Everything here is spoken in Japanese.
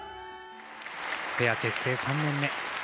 ペア結成３年目。